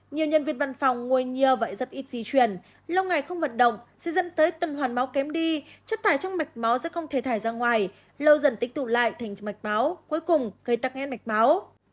nhiều nhân viên văn phòng ngồi nhiều vậy rất ít di chuyển lâu ngày không vận động sẽ dẫn tới từng hoàn máu kém đi chất thải trong mạch máu sẽ không thể thải ra ngoài lâu dần tích tụ lại thành mạch máu cuối cùng gây tắc nghét mạch máu